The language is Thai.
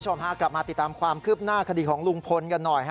พากลับมาติดตามความคืบหน้าคดีของลุงพลกันหน่อย